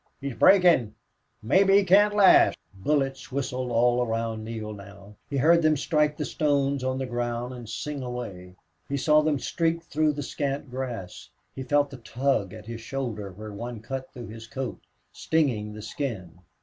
"He's breakin'! Mebbe he can't last!" Bullets whistled all around Neale now. He heard them strike the stones on the ground and sing away; he saw them streak through the scant grass; he felt the tug at his shoulder where one cut through his coat, stinging the skin.